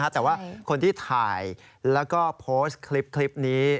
แต่ว่าคนที่ถ่ายแล้วก็โพสต์คลิปนี้